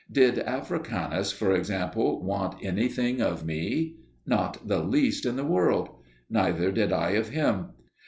Did Africanus, for example, want anything of me? Not the least in the world! Neither did I of him.